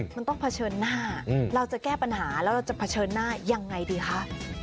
มันต้องเผชิญหน้าเราจะแก้ปัญหาแล้วเราจะเผชิญหน้ายังไงดีคะ